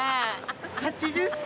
８０歳！？